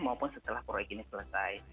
maupun setelah proyek ini selesai